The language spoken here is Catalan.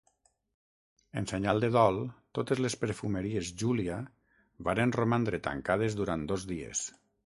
En senyal de dol totes les perfumeries Júlia varen romandre tancades durant dos dies.